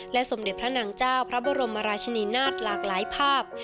สมเด็จพระนางเจ้าพระบรมราชนีนาฏหลากหลายภาพ